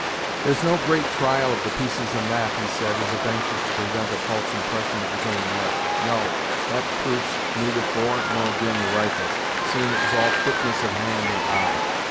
"There's no great trial of the pieces in that!" he said, as if anxious to prevent a false impression of his own merit. "No, that proof's neither for nor ag'in the rifles, seeing it was all quickness of hand and eye.